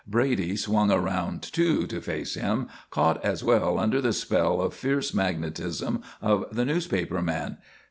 Brady swung around, too, to face him, caught as well under the spell of fierce magnetism of the newspaper man.